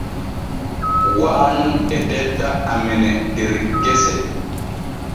Waanu e tetta amene der gese.